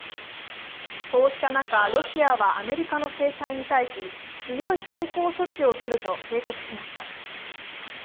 こうした中、ロシアはアメリカの制裁に対し強い対抗措置を取ると警告しました。